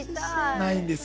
ないんです。